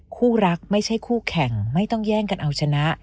คู่รักไม่ใช่คู่แข่งไม่ต้องแย่งกันเอาชนะ